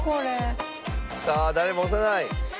さあ誰も押さない。